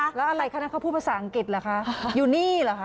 แล้วอะไรคะนั้นเขาพูดภาษาอังกฤษเหรอคะอยู่นี่เหรอคะ